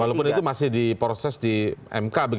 walaupun itu masih di proses di mk